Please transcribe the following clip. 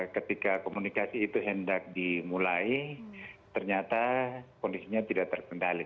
ketika komunikasi itu hendak dimulai ternyata kondisinya tidak terkendali